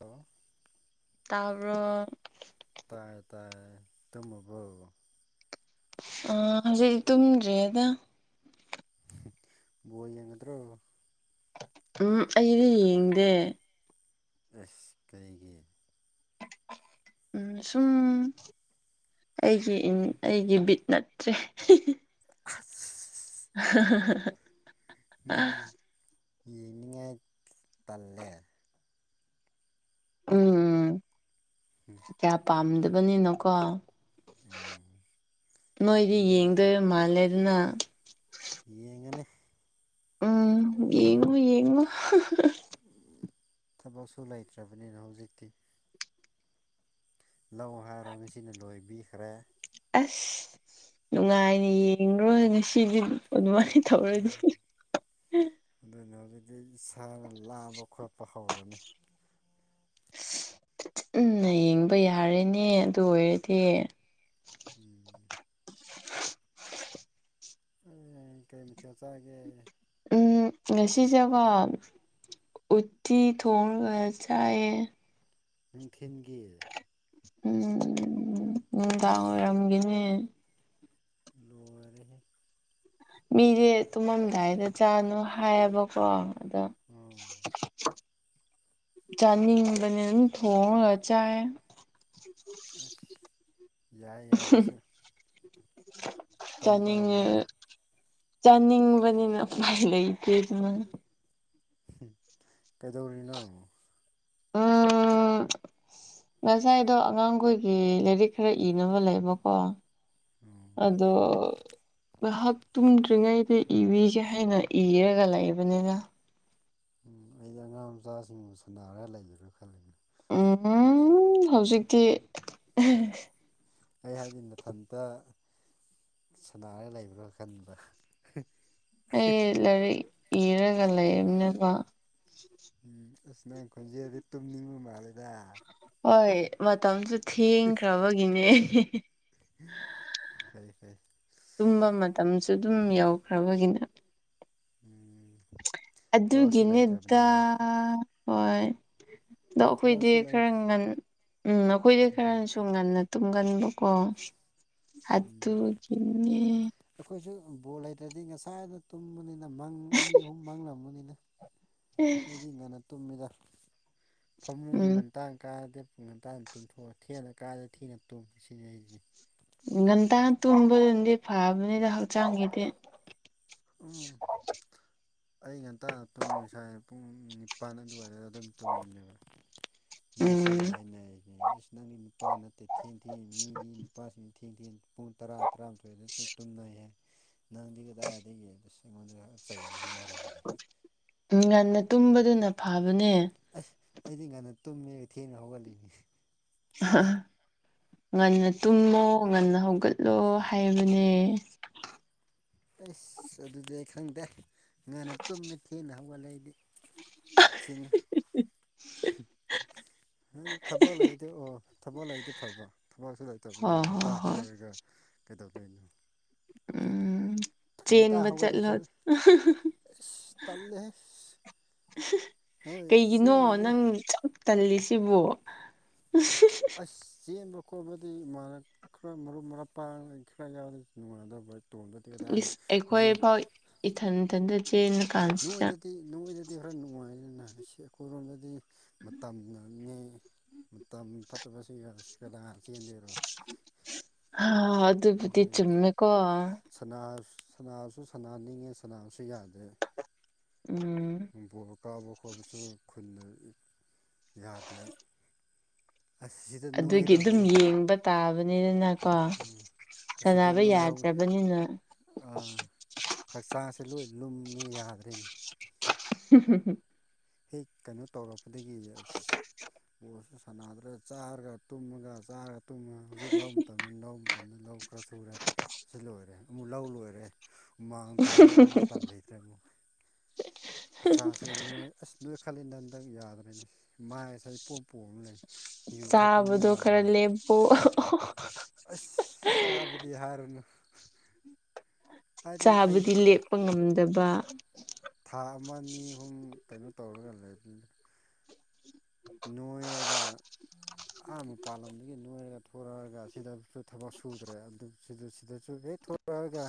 ꯇꯣ ꯇꯥꯔ ꯇꯥꯏ ꯇꯥꯏ ꯇꯃꯕꯨ ꯑ ꯍꯧꯖꯤꯛꯗꯤ ꯇꯨꯝꯗ꯭ꯔꯔꯤꯦꯗ ꯕꯣ ꯌꯦꯡꯒꯗ꯭ꯔꯣ ꯎꯝ ꯑꯩꯗꯤ ꯌꯦꯡꯗꯦ ꯑꯦꯁ ꯀꯔꯤꯒꯤ ꯁꯨꯝ ꯑꯩꯒꯤ ꯑꯩꯒꯤ ꯕꯤꯠ ꯅꯠꯇ꯭ꯔꯦ ꯑꯁ ꯍ ꯍ ꯍ ꯍ ꯅꯪ ꯌꯦꯡꯅꯤꯡꯉꯥꯏ ꯄꯜꯂꯦ ꯎꯝ ꯀꯌꯥ ꯄꯥꯝꯗꯕꯅꯤꯅꯣꯀꯣ ꯅꯣꯏꯗꯤ ꯃꯤ ꯌꯦꯡꯗꯣꯏ ꯃꯥꯜꯂꯦ ꯑꯗꯨꯅ ꯌꯦꯡꯉꯅꯤ ꯎꯝ ꯌꯦꯡꯉꯨ ꯌꯦꯡꯉꯨ ꯊꯕꯛꯁꯨ ꯂꯩꯇ꯭ꯔꯕꯅꯤꯅ ꯍꯧꯖꯤꯛꯇꯤ ꯂꯧ ꯍꯥꯏꯔꯣ ꯉꯁꯤꯅ ꯂꯣꯏꯕꯤꯈ꯭ꯔꯦ ꯑꯁ ꯅꯨꯡꯉꯥꯏꯅꯤ ꯌꯦꯡꯣꯏ ꯉꯁꯤꯗꯤ ꯑꯗꯨꯃꯥꯏꯅ ꯊꯧꯔꯗꯤ ꯑꯗꯨꯅ ꯍꯧꯖꯤꯛꯇꯤ ꯏꯁꯥꯅ ꯂꯥꯕ ꯈꯣꯠꯄ ꯍꯧꯔꯅꯤ ꯟꯅ ꯌꯦꯡꯕ ꯌꯥꯔꯦꯅꯦ ꯑꯗꯨ ꯑꯣꯏꯔꯗꯤ ꯎꯝ ꯀꯩꯃꯤꯊꯤꯆꯥꯒꯦ ꯎꯝ ꯉꯁꯤꯁꯦꯀꯣ ꯎꯠꯇꯤ ꯊꯣꯡꯉꯒ ꯆꯥꯏꯌꯦ ꯅꯨꯡꯊꯤꯟꯒꯤ ꯎꯝ ꯎ ꯅꯨꯡꯗꯥꯡ ꯑꯣꯏꯔꯝꯒꯤꯅꯦ ꯂꯣꯏꯔ ꯍꯦ ꯃꯤꯁꯦ ꯇꯨꯝꯃꯝꯗꯥꯏꯗ ꯆꯥꯠꯅꯨ ꯍꯥꯏꯌꯦꯕꯀꯣ ꯑꯗ ꯑꯣ ꯆꯥꯅꯤꯡꯕꯅꯦ ꯑꯗꯨꯝ ꯊꯣꯡꯉꯒ ꯆꯥꯏ ꯑꯁ ꯌꯥꯏ ꯌꯥꯏ ꯑꯗꯨꯁꯨ ꯑꯄꯥꯝ ꯆꯅꯤꯡꯉ ꯄꯥꯝꯕꯅꯤꯅ ꯆꯥꯅꯤꯡꯕꯅꯤꯅ ꯐꯥꯏ ꯂꯩꯇꯦ ꯑꯗꯨꯃ ꯀꯩꯗꯧꯔꯤꯅꯣ [inaudible] [unintelligible] ꯎꯝ ꯉꯁꯥꯏꯗꯣ ꯑꯉꯥꯡꯈꯣꯏꯒꯤ ꯂꯥꯏꯔꯤꯛ ꯈꯔ ꯏꯅꯕ ꯂꯩꯕꯀꯣ ꯑꯗꯣ ꯉꯥꯏꯍꯥꯛ ꯇꯨꯝꯗ꯭ꯔꯤꯉꯩꯗ ꯏꯕꯤꯒꯦ ꯍꯥꯏꯅ ꯏꯔꯒ ꯂꯩꯕꯅꯤꯅ ꯎꯝ ꯑꯩ ꯑꯉꯥꯡ ꯃꯆꯥꯁꯤꯡꯕꯨ ꯁꯨꯅꯥꯔꯒ ꯂꯩꯒꯔꯥ ꯈꯜꯂꯤꯅꯦ ꯎꯝ ꯍꯧꯖꯤꯛꯇꯤ ꯑꯩ ꯍꯥꯏꯗꯤ ꯃꯊꯟꯇ ꯁꯅꯥꯔꯒ ꯂꯩꯕ꯭ꯔꯥ ꯈꯟꯕ ꯑꯩ ꯂꯥꯏꯔꯤꯛ ꯏꯔꯒ ꯂꯩꯕꯅꯦꯀꯣ ꯎꯝ ꯑꯁ ꯅꯪ ꯈꯣꯟꯖꯦꯜꯗꯤ ꯇꯨꯝꯅꯤꯡꯕ ꯃꯥꯜꯂꯦꯗ ꯍꯣꯏ ꯃꯇꯝꯁꯨ ꯊꯦꯡꯈ꯭ꯔꯕꯒꯤꯅꯦ ꯐꯩ ꯐꯩ ꯇꯨꯝꯕ ꯃꯇꯝꯁꯨ ꯑꯗꯨꯝ ꯌꯧꯈ꯭ꯔꯕꯒꯤꯅ ꯎꯝ ꯊꯕꯛꯁꯨ ꯑꯗꯨꯒꯤꯅꯤꯗ ꯂꯩꯇ꯭ꯔꯕꯅꯤꯅ ꯍꯣꯏ ꯑꯗꯣ ꯑꯩꯈꯣꯏꯗꯤ ꯊꯕꯛꯁꯨ ꯈꯔ ꯂꯩꯇꯦ ꯉ ꯎꯝ ꯑꯩꯈꯣꯏꯗꯤ ꯈꯔꯁꯨ ꯉꯟꯅ ꯇꯨꯝꯒꯟꯕꯀꯣ ꯎꯝ ꯑꯗꯨꯒꯤꯅꯦ ꯑꯩꯈꯣꯏꯁꯨ ꯕꯣꯜ ꯂꯩꯇ꯭ꯔꯗꯤ ꯉꯁꯥꯏꯅ ꯇꯨꯝꯕꯅꯤꯅ ꯃꯪ ꯑꯅꯤ ꯑꯍꯨꯝ ꯃꯥꯡꯂꯝꯕꯅꯤꯅ ꯑꯩꯗꯤ ꯉꯟꯅ ꯇꯨꯝꯃꯤꯗ ꯐꯃꯨꯡ ꯎꯝ ꯉꯟꯇꯥꯡ ꯀꯥꯗꯦ ꯄꯨꯡ ꯉꯟꯇꯥꯗ ꯇꯨꯝꯊꯣꯛꯑꯒ ꯊꯦꯟꯅ ꯀꯥꯏꯗ ꯊꯦꯡꯅ ꯇꯨꯝ ꯁꯤꯖꯤꯟꯅꯔꯤꯁꯤ ꯉꯒꯟꯇꯥ ꯇꯨꯝꯕꯗꯨꯅꯗꯤ ꯐꯕꯅꯤꯗ ꯍꯛꯆꯥꯡꯒꯤꯗꯤ ꯎ ꯑꯩ ꯉꯟꯇꯥ ꯇꯁꯥꯏ ꯄꯨꯡ ꯅꯤꯄꯜ ꯑꯗꯨꯋꯥꯏꯗ ꯑꯗꯨꯝ ꯇꯨꯝꯕꯅꯦꯕ ꯃꯤ ꯎꯝ ꯑꯇꯩꯅ ꯍꯥꯏꯅꯅꯦ ꯑꯁ ꯅꯪꯗꯤ ꯅꯨꯄꯥ ꯅꯠꯇꯦ ꯊꯦꯡꯊꯦꯡ ꯃꯤꯗꯤ ꯅꯨꯄꯥꯁꯤꯅ ꯊꯦꯡꯊꯦꯡ ꯄꯨꯡ ꯇꯔꯥ ꯇꯔꯥꯃꯊꯣꯏꯗ ꯇꯨꯝꯅꯩꯍꯦ ꯅꯪꯗꯤ ꯀꯗꯥꯏꯗ ꯑꯩꯒꯤꯗ ꯑꯩꯉꯣꯟꯗ ꯆꯩꯕꯁꯨ ꯌꯥꯔꯕꯅꯤ ꯎꯝ ꯉꯟꯅ ꯇꯨꯝꯕꯗꯨꯅ ꯐꯕꯅꯦ ꯑꯁ ꯑꯩꯗꯤ ꯉꯟꯅ ꯇꯨꯝꯃꯦ ꯊꯦꯡꯅ ꯍꯧꯒꯠꯂꯤꯅꯤ ꯉꯟꯅ ꯇꯨꯝꯃꯣ ꯉꯟꯅ ꯍꯧꯒꯠꯂꯣ ꯍꯥꯏꯕꯅꯦ ꯑꯩꯁ ꯑꯗꯨꯗꯤ ꯈꯪꯗꯦ ꯉꯥꯅ ꯇꯨꯝꯅ ꯊꯦꯡꯅ ꯍꯧꯒꯠꯂꯛꯏꯗꯤ ꯆꯤꯟ ꯍꯥꯏꯗꯤ ꯊꯕꯛ ꯂꯩꯗꯤ ꯑꯣ ꯊꯕꯛ ꯂꯩꯗꯤ ꯐꯕ ꯊꯕꯛꯁꯨ ꯂꯩꯇꯕꯅꯤ ꯍꯣꯏ ꯉꯟꯇꯥ ꯍꯣꯏ ꯍꯣꯏ ꯍꯔꯒ ꯀꯩꯗꯧꯗꯣꯏꯅꯣ ꯎꯝ ꯉꯟꯇꯥ ꯆꯦꯟꯕ ꯆꯠꯂꯣ ꯍꯧꯒꯠꯂꯁꯨ ꯑꯁ ꯇꯜꯂꯦꯍꯦ ꯍꯣꯏ ꯀꯩꯒꯤꯅꯣ ꯆꯦꯟꯕꯗꯤ ꯅꯪ ꯇꯜꯂꯤꯁꯤꯕꯨ ꯑꯁ ꯆꯦꯟꯕ ꯈꯣꯠꯄꯗꯤ ꯃꯅ ꯈꯔ ꯃꯔꯨꯞ ꯃꯔꯥꯡ ꯄꯥꯡ ꯈꯔ ꯌꯥꯎꯔ ꯅꯨꯡꯉꯥꯏꯗꯕ ꯇꯣꯡꯕꯗꯤꯒꯦ ꯇ ꯏꯁ ꯑꯩꯈꯣꯏ ꯍꯧꯖꯤꯛ ꯐꯥꯎ ꯏꯊꯟ ꯏꯊꯟꯇ ꯆꯦꯟꯂ ꯀꯥꯟꯁꯤꯗ ꯁꯤ ꯅꯣꯏꯗꯗꯤ ꯈꯔ ꯅꯨꯡꯉꯥꯏꯅꯤꯅ ꯑꯁꯤ ꯑꯩꯈꯣꯏꯔꯣꯝꯗꯗꯤ ꯃꯇꯝꯅꯦ ꯃꯇꯝ ꯐꯠꯇꯕ ꯁꯤꯒ ꯈ ꯂ ꯆꯦꯟꯗꯔꯣ ꯍꯥ ꯑꯗꯨ ꯑꯗꯨꯕꯨꯗꯤ ꯑꯗꯨꯒꯤꯅꯤꯗ ꯆꯨꯝꯃꯦ ꯀꯣ ꯁꯅꯥꯁꯨ ꯁꯅꯥ ꯅꯤꯡꯉꯦ ꯁꯅꯥꯕꯁꯨ ꯌꯥꯗꯦ ꯎꯝ ꯈꯣꯡꯄꯣꯏꯕ ꯀꯥꯕ ꯈꯣꯠꯄꯁꯨ ꯈꯨꯟꯅ ꯌꯥꯗꯦ ꯑꯁ ꯁꯤꯗ ꯑꯗꯨꯒꯤ ꯑꯗꯨꯝ ꯅꯣꯏꯒꯗꯕꯅꯦ ꯌꯦꯡꯕ ꯇꯥꯕꯅꯤꯗꯅꯀꯣ ꯎꯝ ꯑꯁꯤꯗ ꯁꯥꯟꯅꯕ ꯅꯣꯏꯍꯥꯎ ꯌꯥꯗ꯭ꯔꯕꯅꯤꯅ ꯍꯛꯆꯥꯡꯁꯦ ꯂꯣꯏ ꯂꯨꯝꯃꯤ ꯌꯥꯗ꯭ꯔꯔꯤꯅꯦ [unintelligible] [unintelligible] ꯍꯦꯛ ꯀꯩꯅꯣ ꯇꯧꯔꯛꯄꯗꯒꯤ ꯑꯁ ꯕꯣꯜꯁꯨ ꯁꯥꯟꯅꯗ꯭ꯔꯦ ꯆꯥꯔꯒ ꯇꯨꯝꯃꯒ ꯆꯥꯔꯒ ꯇ ꯍꯧꯖꯤꯛ ꯂꯧ ꯃꯇꯝꯅꯤꯅ ꯂꯧꯕ ꯃꯇꯝꯗ ꯂꯧ ꯈꯔ ꯁꯨꯔꯦ ꯁꯤ ꯂꯣꯏꯔꯦ ꯑꯃꯨꯛ ꯂꯧ ꯂꯣꯏꯔꯦ ꯍꯨꯃꯥꯡ ꯇꯥꯒꯗꯕ ꯃꯇꯝ ꯂꯩꯇ꯭ꯔꯦ ꯃꯨꯛ ꯍꯛꯆꯥꯡꯁꯦ ꯅꯣꯏ ꯑꯁ ꯅꯣꯏ ꯈꯠꯂꯤꯗ ꯍꯟꯗꯛ ꯌꯥꯗ꯭ꯔꯦꯅꯦ ꯃꯥꯏꯁꯦ ꯏꯄꯣꯝꯄꯣꯝ ꯂꯩ ꯌꯨ ꯊꯛꯄ ꯃꯤ ꯆꯥꯕꯗꯣ ꯃꯥꯜꯂꯦ ꯍꯥꯏ [unintelligible] ꯑꯁ ꯆꯥꯕꯗꯤ ꯍꯥꯏꯔꯅꯨ ꯑꯩꯁꯨ ꯆꯥꯕꯗꯤ ꯂꯦꯛꯄ ꯉꯝꯗꯕ ꯊꯥ ꯑꯃ ꯅꯤ ꯍꯨꯝ ꯀꯩꯅꯣ ꯇꯧꯔꯒ ꯂꯩꯕꯅꯤ ꯅꯣꯏꯔꯒ ꯑꯍ ꯃꯄꯥꯥꯟꯂꯝꯗꯒꯤ ꯅꯣꯏꯔꯒ ꯊꯣꯔꯛꯑꯒ ꯁꯤꯗꯁꯨ ꯊꯕꯛ ꯁꯨꯗ꯭ꯔꯦ ꯑꯗꯨ ꯁꯤꯗꯁꯨ ꯍꯦꯛ ꯔꯒ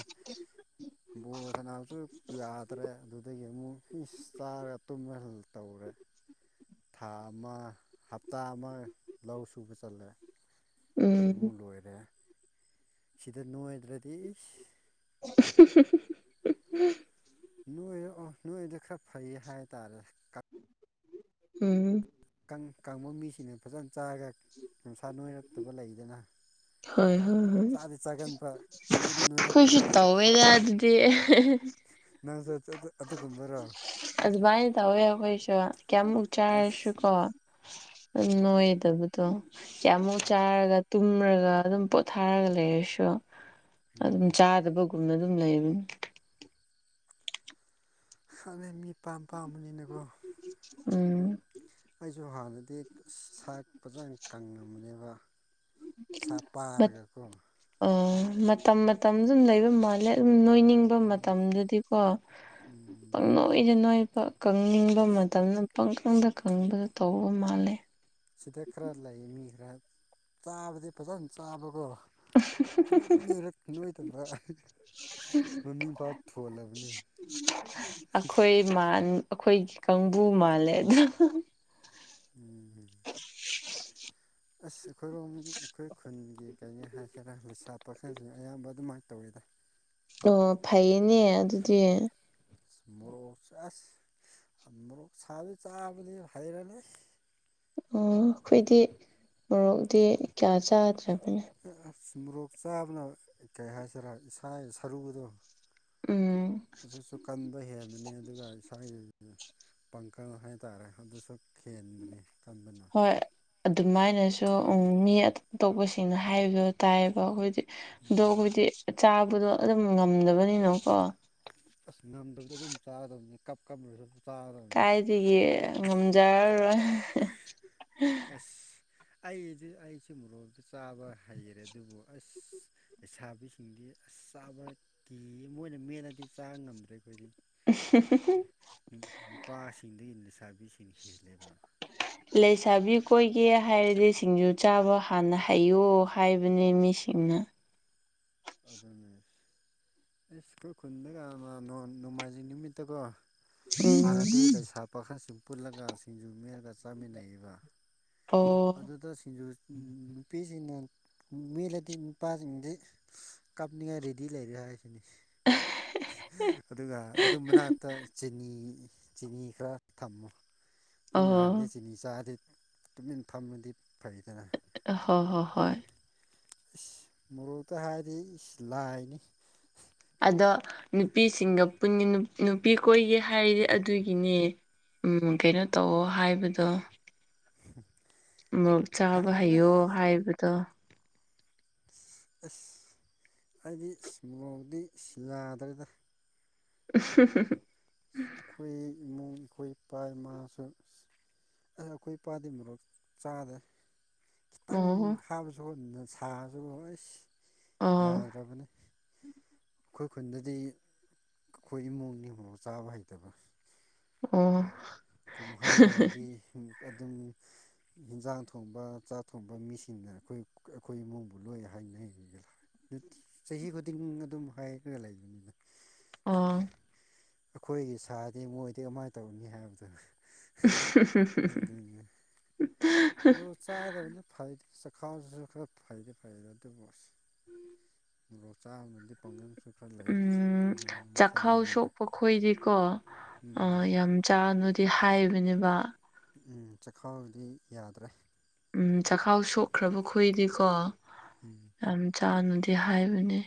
ꯕꯣꯜ ꯁꯥꯟꯅꯕꯁꯨ ꯌꯥꯗ꯭ꯔꯦ ꯑꯗꯨꯗꯒꯤ ꯑꯃꯨꯛ ꯐꯤꯁ ꯆꯥꯔꯒ ꯇꯨꯝꯃ ꯇꯧꯔꯦ ꯊꯥ ꯑꯃ ꯍꯞꯇꯥ ꯑꯃ ꯂꯧ ꯁꯨꯕ ꯆꯜꯂꯦ ꯎꯝ ꯑꯗꯒꯤ ꯃꯨꯛ ꯂꯣꯏꯔꯦ ꯁꯤꯗ ꯅꯣꯏꯗ꯭ꯔꯗꯤ ꯏꯁ [inaudible] ꯅꯣꯏ ꯑꯣ ꯅꯣꯏꯗ ꯈꯔ ꯐꯩ ꯍꯥꯏꯇꯥꯔꯦ ꯎꯝ ꯈꯪ ꯀꯪꯕ ꯃꯤꯁꯤꯅ ꯐꯖꯅ ꯆꯥꯔꯒ ꯃꯁꯥ ꯅꯣꯏꯔꯛꯇꯕ ꯂꯩꯗꯅ ꯍꯣꯏ ꯍꯣꯏ ꯍꯣꯏ ꯆꯥꯗꯤ ꯆꯥꯒꯟꯕ ꯅꯣꯏꯗꯤ ꯈꯣꯏꯁꯨ ꯅꯣꯏꯔꯛꯇꯕ ꯇꯧꯋꯦꯗ ꯑꯗꯨꯗꯤ ꯅꯪꯁꯨ ꯑꯗꯨꯒꯨꯝꯕꯔꯣ ꯑꯗꯨꯃꯥꯏ ꯇꯧꯋꯦ ꯑꯈꯣꯏꯁꯨ ꯀꯌꯥꯃꯨꯛ ꯑꯁ ꯆꯥꯔꯁꯨꯀꯣ ꯑꯗꯨ ꯅꯣꯏꯗꯕꯗꯣ ꯀꯌꯥꯃꯨꯛ ꯆꯥꯔꯒ ꯇꯨꯝꯔꯒ ꯑꯗꯨꯝ ꯄꯣꯊꯥꯔꯒ ꯂꯩꯔꯁꯨ ꯑꯗꯨꯝ ꯎꯝ ꯆꯥꯗꯕ ꯀꯨꯝꯅ ꯑꯗꯨꯝ ꯂꯩꯕꯅꯤ ꯈꯪꯗꯦ ꯃꯤꯄꯥꯝ ꯄꯥꯝꯕꯅꯤꯅꯀꯣ ꯎꯝ ꯑꯩꯁꯨ ꯍꯥꯟꯅꯗꯤ ꯁꯥꯛ ꯐꯖꯅ ꯀꯪꯉꯝꯕꯅꯦꯕ ꯁꯥ ꯄꯥꯔꯒ ꯀꯣ ꯎꯝ ꯃꯇꯝ ꯃꯇꯝ ꯑꯗꯨꯝ ꯂꯩꯕ ꯃꯥꯜꯂꯦ ꯑꯗꯨꯝ ꯅꯣꯏꯅꯤꯡ ꯎꯝ ꯃꯇꯝꯗꯗꯤꯀꯣ ꯎꯝ ꯄꯪ ꯅꯣꯏꯗ ꯅꯣꯏꯕ ꯀꯪꯅꯤꯡꯕ ꯃꯇꯝꯗ ꯄꯪꯀꯪꯗ ꯀꯪꯕꯗꯣ ꯇꯧꯕ ꯃꯥꯜꯂꯦ ꯁꯤꯗ ꯈꯔ ꯂꯩ ꯃꯤ ꯈꯔ ꯆꯥꯕꯗꯤ ꯐꯖꯅ ꯆꯥꯕꯀꯣ ꯅꯣꯏꯗꯤ ꯅꯣꯏꯔꯛ ꯅꯣꯏꯗꯕ꯭ꯔꯥ ꯃꯃꯤꯡ ꯄꯥ ꯊꯣꯜꯂꯕꯅꯦ ꯃꯥꯟ ꯑꯈꯣꯏꯒꯤ ꯀꯥꯡꯕꯨ ꯃꯥꯜꯂꯦ ꯑꯗꯨ ꯎꯝ ꯑꯁ ꯑꯩꯈꯣꯏꯔꯣꯝ ꯑꯩꯈꯣꯏ ꯈꯨꯟꯒꯤ ꯀꯩꯅꯦ ꯍꯥꯏꯒꯦꯔꯥ ꯂꯩꯁꯥ ꯄꯥꯈꯪꯁꯤꯡ ꯑꯌꯥꯝꯕ ꯑꯗꯨꯃꯥꯏꯅ ꯇꯧꯋꯤꯗ [inaudible] ꯑꯣ ꯐꯩꯌꯦꯅꯦ ꯑꯗꯨꯗꯤ ꯃꯣꯔꯣꯛꯁꯦ ꯑꯁ ꯃꯣꯔꯣꯛ ꯁꯥꯕꯁꯨ ꯆꯥꯕꯗꯤ ꯍꯩꯔꯅꯤ ꯑꯝ ꯈꯣꯏꯗꯤ ꯃꯣꯔꯣꯛꯗꯤ ꯀꯌꯥ ꯆꯥꯗ꯭ꯔꯦ ꯑꯁ ꯃꯣꯔꯣꯛ ꯆꯥꯕꯅ ꯀꯩ ꯍꯥꯏꯁꯤꯔꯥ ꯏꯁꯥꯒꯤ ꯁꯔꯨꯗꯣ ꯎꯝ ꯍꯧꯖꯤꯛꯁꯨ ꯀꯟꯕ ꯍꯦꯟꯕꯅꯤ ꯑꯗꯨꯒ ꯏꯁꯥꯒꯤ ꯄꯥꯡꯀꯜ ꯍꯥꯏꯇꯥꯔꯦ ꯑꯗꯨꯁꯨ ꯈꯦꯟꯕꯅꯤ ꯀꯟꯕꯅ ꯍꯣꯏ ꯑꯗꯨꯃꯥꯏꯅꯁꯨ ꯃꯤ ꯑꯇꯣꯞꯄꯁꯤꯡꯅ ꯍꯥꯏꯕꯗꯣ ꯇꯥꯏꯌꯦꯕ ꯈꯣꯏꯗꯤ ꯑꯗꯣ ꯎꯝ ꯑꯈꯣꯏꯗꯤ ꯆꯥꯕꯗꯣ ꯑꯗꯨꯝ ꯉꯝꯗꯕꯅꯤꯅꯀꯣ ꯑꯁ ꯉꯝꯗꯕꯗꯣ ꯑꯗꯨꯝ ꯆꯥꯒꯗꯕꯅꯤ ꯀꯞ ꯀꯞꯅꯁꯨ ꯑꯗꯨꯝ ꯆꯥꯒꯗꯕꯅꯤ ꯗꯤ ꯉꯝꯖꯔꯔꯣꯏ ꯑꯁ ꯑꯩꯗꯤ ꯑꯩꯁꯨ ꯃꯣꯔꯣꯛꯁꯦ ꯆꯥꯕ ꯍꯩꯔꯦ ꯑꯗꯨꯕꯨ ꯑꯁ ꯂꯩꯁꯥꯕꯤꯁꯤꯡꯗꯤ ꯑꯁ ꯆꯥꯕ ꯀꯤ ꯃꯣꯏꯅ ꯃꯦꯠꯂꯗꯤ ꯆꯥ ꯉꯝꯗ꯭ꯔꯦ ꯈꯣꯏꯗꯤ ꯎ ꯅꯨꯄꯥꯁꯤꯡꯗꯒꯤ ꯂꯩꯁꯥꯕꯤꯁꯤꯡ ꯍꯦꯜꯂꯦꯕ ꯂꯩꯁꯥꯕꯤ ꯀꯣꯏꯒꯦ ꯍꯥꯏꯔꯗꯤ ꯁꯤꯡꯖꯨ ꯆꯥꯕ ꯍꯥꯟꯅ ꯍꯩꯌꯣ ꯍꯥꯏꯕꯅꯦ ꯃꯤꯁꯤꯡꯅ ꯑꯗꯨꯅꯦ ꯑꯩꯁ ꯑꯩꯈꯣꯏ ꯈꯨꯟꯗꯒ ꯅꯣꯡꯃꯥꯏꯖꯤꯡ ꯅꯨꯃꯤꯠꯇꯀꯣ ꯍꯥꯟꯅꯗꯤ ꯎꯝ ꯂꯩꯁꯥ ꯄꯥꯈꯪꯁꯤꯡ ꯄꯨꯜꯂꯒ ꯁꯤꯡꯖꯨ ꯃꯦꯠꯂꯒ ꯆꯥꯃꯤꯟꯅꯩꯕ ꯑꯣ ꯑꯗꯨꯗ ꯁꯤꯡꯖꯨ ꯅꯨꯄꯤꯁꯤꯡꯅ ꯃꯦꯠꯂꯗꯤ ꯅꯨꯄꯥꯁꯤꯡꯗꯤ ꯀꯥꯞꯅꯤꯡꯉꯥꯏ ꯔꯦꯗꯤ ꯂꯩꯔꯤ ꯍꯥꯏꯁꯤꯅꯤ ꯑꯗꯨꯒ ꯑꯗꯨ ꯃꯅꯥꯛꯇ ꯆꯤꯅꯤ ꯆꯤꯅꯤ ꯈꯔ ꯊꯝꯃꯣ ꯄꯨꯛꯅ ꯅꯥꯔꯗꯤ ꯑꯣ ꯆꯤꯅꯤ ꯆꯥꯗꯤ ꯇꯨꯃꯤꯟꯅ ꯐꯝꯃꯗꯤ ꯐꯩꯗꯅ ꯍꯣꯏ ꯍꯣꯏ ꯍꯣꯏ ꯏꯁ ꯃꯣꯔꯣꯛꯇ ꯍꯥꯏꯔꯗꯤ ꯏꯁ ꯂꯥꯏꯅꯤ ꯑꯗ ꯅꯨꯄꯤꯁꯤꯡꯒ ꯄꯨ ꯅꯨꯄꯤ ꯀꯣꯏꯒꯦ ꯍꯥꯏꯔꯤꯗꯤ ꯑꯗꯨꯒꯤꯅꯦ ꯎꯝ ꯀꯩꯅꯣ ꯇꯧꯋꯣ ꯍꯥꯏꯕꯗꯣ ꯍ ꯃꯣꯔꯣꯛ ꯆꯥꯕ ꯍꯩꯌꯣ ꯍꯥꯏꯕꯗꯣ ꯑꯁ ꯍꯥꯏꯗꯤ ꯃꯣꯔꯣꯛꯇꯤ ꯌꯥꯗ꯭ꯔꯦꯗ ꯎ ꯑꯩꯈꯣꯏ ꯏꯃꯨꯡ ꯑꯩꯈꯣꯏ ꯏꯄꯥ ꯏꯃꯥꯁꯨ ꯑꯩ ꯑꯩꯈꯣꯏ ꯏꯄꯥꯗꯤ ꯃꯣꯔꯣꯛ ꯆꯥꯗ꯭ꯔꯦ ꯈꯤꯇꯪ ꯑꯣ ꯍꯥꯞꯄꯁꯨꯅ ꯁꯥꯕꯁꯨ ꯍꯣꯏ ꯑꯣ ꯌꯥꯗ꯭ꯔꯕꯅꯤ ꯑꯩꯈꯣꯏ ꯈꯨꯟꯗꯗꯤ ꯑꯩꯈꯣꯏ ꯏꯃꯨꯡꯅꯤ ꯃꯣꯔꯣꯛ ꯆꯥꯕ ꯍꯩꯇꯕ ꯑꯣ ꯀꯨꯝꯍꯩ ꯌꯧꯔꯗꯤ ꯑꯗꯨꯝ ꯏꯟꯖꯥꯡ ꯊꯣꯡꯕ ꯆꯥꯛ ꯊꯣꯡꯕ ꯃꯤꯁꯤꯡꯅ ꯑꯩꯈꯣꯏ ꯑꯩꯈꯣꯏ ꯏꯃꯨꯡꯕꯨ ꯂꯣꯏ ꯍꯥꯏꯅꯩ ꯆꯍꯤ ꯈꯨꯗꯤꯡ ꯑꯗꯨꯝ ꯍꯥꯏꯔꯒ ꯂꯩꯕꯅꯤꯅ ꯑ ꯑꯩꯈꯣꯏꯒꯤ ꯁꯥꯗꯤ ꯃꯣꯏꯗꯤ ꯀꯃꯥꯏꯅ ꯇꯧꯔꯅꯤ ꯍꯥꯏꯕꯗꯨꯅꯤ ꯎ ꯎ ꯃꯣꯔꯣꯛ ꯆꯥꯗꯕꯅ ꯐꯩꯗꯤ ꯆꯈꯥꯎꯗꯁꯨ ꯈꯔ ꯐꯩꯗꯤ ꯐꯩ ꯑꯗꯨ ꯑꯣꯏꯁꯨ ꯃꯣꯔꯣꯛ ꯆꯕꯅꯥꯗꯤ ꯐꯒꯔ ꯈ ꯈꯥ ꯂꯩꯥꯏ ꯎꯝ ꯑꯗꯨ ꯈ ꯆꯥꯛꯈꯥꯎ ꯂꯩ ꯁꯣꯛꯄ ꯈꯣꯏꯗꯤꯀꯣ ꯌꯥꯝ ꯆꯥꯅꯨꯗꯤ ꯍꯥꯏꯕꯅꯦꯕ ꯎꯝ ꯆꯈꯥꯎꯗꯤ ꯌꯥꯗ꯭ꯔꯦ ꯎꯝ ꯆꯈꯥꯎ ꯁꯣꯛꯈ꯭ꯔꯕ ꯑꯩꯈꯣꯏꯗꯤꯀꯣ ꯎꯝ ꯌꯥꯝ ꯆꯥꯅꯨꯗꯤ ꯍꯥꯏꯕꯅꯦ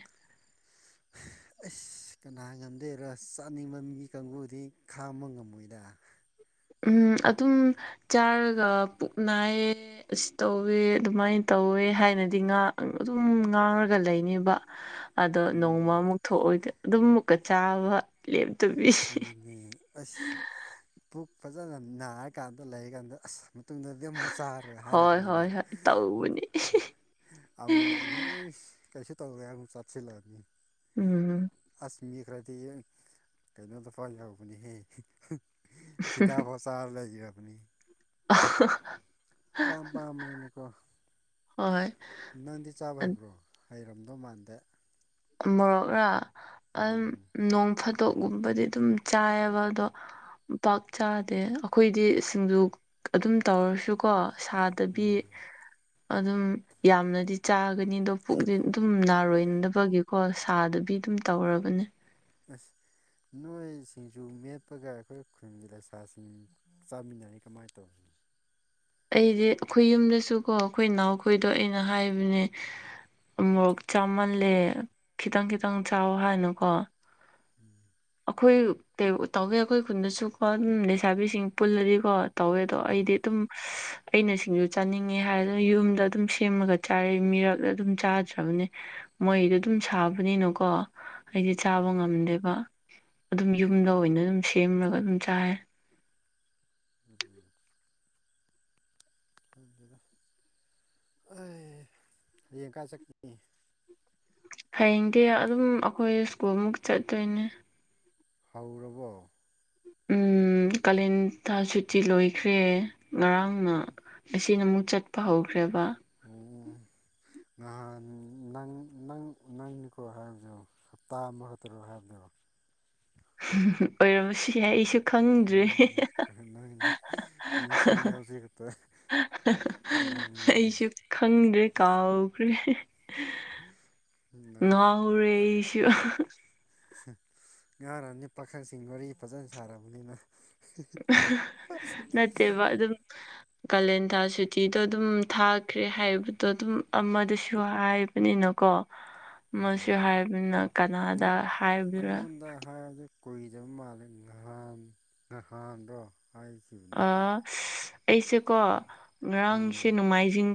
[inaudible] ꯑꯁ ꯀꯅꯥ ꯉꯝꯗꯧꯔ ꯆꯥꯅꯤꯡꯕ ꯃꯤ ꯀꯥꯡꯕꯨꯗꯤ ꯈꯥꯡꯕ ꯉꯝꯃꯣꯏꯗ ꯎꯝ ꯑꯗꯨꯝ ꯆꯥꯔꯒ ꯄꯨꯛ ꯅꯥꯏꯌꯦ ꯑꯁꯤ ꯇꯧꯋꯦ ꯑꯗꯨꯃꯥꯏꯅ ꯇꯧꯋꯦ ꯍꯥꯏꯅꯗꯤ ꯑꯗꯨꯝ ꯉꯥꯡꯔꯒ ꯂꯩꯅꯦꯕ [inaudible] ꯑꯗꯣ ꯎꯝ ꯅꯣꯡꯃꯃꯨꯛ ꯊꯣꯛꯑꯣꯏꯗꯤ ꯑꯗꯨꯝ ꯃꯨꯛꯀ ꯆꯥꯕ ꯂꯦꯞꯇꯕꯤ ꯑꯗꯨꯅꯦ ꯑꯁ ꯄꯨꯛ ꯐꯖꯅ ꯅꯥꯔꯀꯥꯟꯗ ꯂꯩꯔꯀꯥꯟꯗ ꯑꯁ ꯃꯇꯨꯡꯗꯗꯤ ꯑꯃꯨꯛ ꯆꯥꯔꯣꯏ ꯍꯣꯏ ꯍꯥꯏꯔꯛꯀꯅꯦꯕ ꯍꯣꯏ ꯍꯣꯏ ꯇꯧꯕꯅꯤ ꯑꯃꯨꯛ ꯏꯁ ꯀꯩꯁꯨ ꯇꯧꯔꯦ ꯍꯥꯏꯔ ꯆꯥꯁꯤꯜꯂꯗꯤ ꯎꯝ ꯑꯁ ꯃꯤ ꯈ꯭ꯔꯗꯤ ꯀꯩꯅꯣꯗ ꯐꯥꯎ ꯌꯥꯎꯕꯅꯤꯍꯦ ꯍꯤꯗꯥꯛꯐꯣ ꯆꯥꯔ ꯂꯩꯈꯔꯕꯅꯤ ꯑ ꯄꯥꯝ ꯄꯥꯝꯕꯅꯅꯤꯀꯣ ꯍꯣꯏ ꯅꯪꯗꯤ ꯆꯥꯕ ꯑ- ꯍꯩꯕ꯭ꯔꯣ ꯍꯩꯔꯝꯗꯧ ꯃꯥꯟꯗꯦ ꯃꯣꯔꯛꯔꯥ ꯑꯗꯨꯝ ꯎꯝ ꯅꯣꯡ ꯐꯥꯗꯣꯛꯒꯨꯝꯕꯗꯤ ꯑꯗꯨꯝ ꯆꯥꯏꯑꯕ ꯑꯗꯣ ꯄꯥꯛ ꯆꯥꯗꯦ ꯑꯩꯈꯣꯏꯗꯤ ꯁꯤꯡꯖꯨ ꯑꯗꯨꯝ ꯇꯧꯔꯁꯨꯀꯣ ꯁꯥ ꯇꯕꯤ ꯎꯝ ꯑꯗꯨꯝ ꯌꯥꯝꯅꯗꯤ ꯆꯥꯒꯅꯤ ꯑꯗꯣ ꯄꯨꯛ ꯑꯗꯨꯝ ꯅꯥꯔꯣꯏꯅꯕꯒꯤ ꯀꯣ ꯁꯥꯗꯨꯕꯤ ꯑꯗꯨꯝ ꯇꯧꯔꯕꯅꯦ ꯑꯁ ꯅꯣꯏ ꯁꯤꯡꯖꯨ ꯃꯦꯠꯄꯒ ꯑꯩꯈꯣꯏ ꯈꯨꯟꯒꯤ ꯂꯩꯁꯥꯁꯤꯡ ꯆꯥꯃꯤꯟꯅꯩ ꯀꯃꯥꯏ ꯇꯧꯔꯤ ꯑꯩꯗꯤ ꯑꯩꯈꯣꯏ ꯌꯨꯝꯗꯁꯨꯀꯣ ꯑꯩꯈꯣꯏ ꯏꯅꯥꯎꯈꯣꯏꯗꯣ ꯑꯩꯅ ꯍꯥꯏꯕꯅꯦ ꯃꯨꯔꯣꯛ ꯆꯥꯃꯜꯂꯦ ꯈꯤꯇꯪ ꯈꯤꯇꯪ ꯆꯥꯎ ꯍꯥꯏꯅꯀꯣ [inaudible] ꯑꯩꯈꯣꯏ ꯇꯧꯋꯦ ꯑꯩꯈꯣꯏ ꯈꯨꯟꯗꯁꯨꯀꯣ ꯑꯗꯨꯝ ꯂꯩꯁꯥꯕꯤꯁꯤꯡ ꯄꯨꯜꯂꯗꯤꯀꯣ ꯇꯧꯋꯦ ꯑꯗꯣ ꯑꯩꯗꯤ ꯇꯨꯝ ꯑꯩꯅ ꯁꯤꯡꯖꯨ ꯆꯥꯅꯤꯡꯉꯦ ꯍꯥꯏꯔ ꯑꯗꯨꯅ ꯌꯨꯝꯗ ꯑꯗꯨꯝ ꯁꯦꯝꯃꯒ ꯆꯥꯔ ꯃꯤꯔꯛ ꯑꯗꯨꯝ ꯆꯥꯗ꯭ꯔꯕꯅꯦ ꯃꯣꯏꯗꯣ ꯑꯗꯨꯝ ꯁꯥꯕꯅꯤꯅꯀꯣ ꯑꯩꯗꯤ ꯆꯥꯕ ꯉꯝꯗꯦꯕ ꯑꯗꯨꯝ ꯌꯨꯝꯗ ꯑꯣꯏꯅ ꯑꯗꯨꯝ ꯁꯦꯝꯃꯒ ꯑꯗꯨꯝ ꯆꯥꯏ [inaudible] ꯍꯌꯦꯡ ꯀꯥꯏ ꯆꯠꯀꯅꯤ ꯍꯌꯦꯡꯗꯤ ꯑꯗꯨꯝ ꯑꯩꯈꯣꯏ ꯏꯁ꯭ꯀꯨꯜ ꯃꯨꯛ ꯆꯠꯇꯣꯏꯅꯦ ꯍꯧꯔꯕꯣ ꯎꯝ ꯀꯥꯂꯦꯟ ꯊꯥ ꯁꯨꯇꯤ ꯂꯣꯏꯈ꯭ꯔꯦ ꯉꯔꯥꯡꯅ ꯉꯥꯁꯤꯅ ꯑꯃꯨꯛ ꯆꯠꯄ ꯍꯧꯈ꯭ꯔꯦꯕ ꯅꯍꯥꯟ ꯅꯪ ꯅꯪ ꯅꯪꯅꯤꯀꯣ ꯍꯥꯏꯕꯗ ꯍꯞꯇꯥ ꯑꯃꯈꯛꯇꯔꯣ ꯍꯥꯏꯕꯗꯣ ꯑꯣꯏꯔꯝꯁꯨ ꯌꯥꯏ ꯑꯩꯁꯨ ꯈꯪꯗ꯭ꯔꯦ ꯃꯤꯁꯤꯡ ꯌꯦꯜ ꯆꯇꯥ ꯑꯩꯁꯨ ꯈꯪꯗ꯭ꯔꯦ ꯀꯥꯎꯈ꯭ꯔꯦ ꯉꯥꯎꯔꯩ ꯑꯩꯁꯨ ꯉꯥꯔꯅꯤ ꯄꯥꯈꯪꯁꯤꯡ ꯋꯥꯔꯤ ꯐꯖꯅ ꯁꯥꯔꯕꯅꯤꯅ [unintelligible] ꯀꯥꯂꯦꯟꯊꯥ ꯁꯨꯇꯤꯗꯣ ꯑꯗꯨꯝ ꯊꯥꯈ꯭ꯔꯦ ꯍꯥꯏꯕꯗꯣ ꯑꯗꯨꯝ ꯑꯃꯗꯁꯨ ꯍꯥꯏꯕꯅꯤꯅꯀꯣ [unintelligible] [inaudible] ꯃꯁꯤ ꯍꯥꯏꯕꯅꯤꯅ ꯀꯅꯥꯗ ꯍꯥꯏꯕꯗꯨꯅ ꯗ ꯍꯥꯏ ꯑꯗꯨ ꯀꯨꯏꯗꯕ ꯃꯥꯜꯂꯦ ꯉꯍꯥꯟ ꯉꯍꯥꯟꯗꯣ ꯍꯥꯏꯈꯤ ꯑ ꯑꯩꯁꯦꯀꯣ ꯎꯝ ꯉꯔꯥꯡꯁꯦ ꯅꯣꯡꯃꯥꯏꯖꯤꯡ